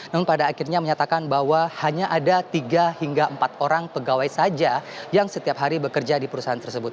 namun pada akhirnya menyatakan bahwa hanya ada tiga hingga empat orang pegawai saja yang setiap hari bekerja di perusahaan tersebut